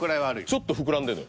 ちょっと膨らんでんのよ。